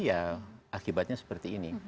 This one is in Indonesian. ya akibatnya seperti ini